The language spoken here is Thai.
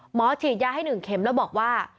หมอฉีดยาให้๑เข็มแล้วบอกว่า